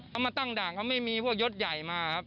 เขามาตั้งด่านเขาไม่มีพวกยศใหญ่มาครับ